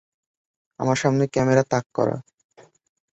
আমার সামনে ক্যামেরা তাক করা।